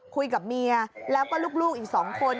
คุยกับเมียแล้วก็ลูกอีก๒คน